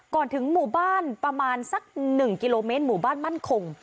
ถึงหมู่บ้านประมาณสัก๑กิโลเมตรหมู่บ้านมั่นคง